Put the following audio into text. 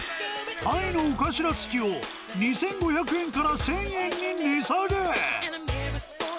タイの尾頭付きを、２５００円から１０００円に値下げ。